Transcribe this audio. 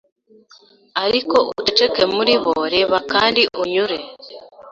Ariko uceceke muri bo reba kandi unyure